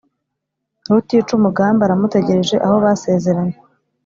rutica umugambi aramutegereje aho basezeranye